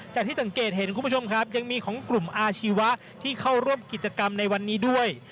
ที่สังเกตเห็นคุณผู้ชมครับยังมีของกลุ่มอาชีวะที่เข้าร่วมกิจกรรมในวันนี้ด้วย